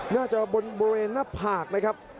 น่าจะบริเวณหน้าผากนะครับ